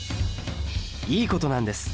いいことなんです。